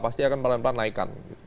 pasti akan pelan pelan naikkan